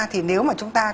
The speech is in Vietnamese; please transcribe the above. thì nếu mà chúng ta